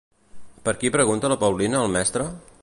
Per qui pregunta la Paulina al mestre?